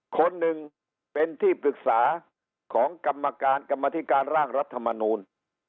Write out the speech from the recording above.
คนหนึ่งเป็นที่ปรึกษาของกรรมการกรรมธิการร่างรัฐมนูล